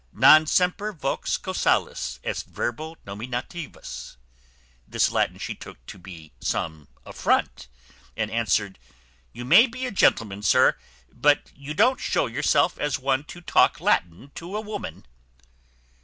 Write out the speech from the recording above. Non semper vox casualis est verbo nominativus." This Latin she took to be some affront, and answered, "You may be a gentleman, sir; but you don't show yourself as one to talk Latin to a woman."